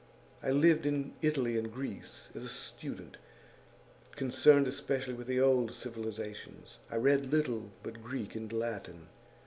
I lived in Italy and Greece as a student, concerned especially with the old civilisations; I read little but Greek and Latin.